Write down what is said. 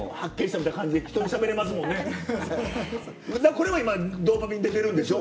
これも今ドーパミン出てるんでしょ？